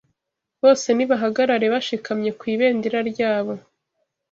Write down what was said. bose nibahagarare bashikamye ku ibendera ryabo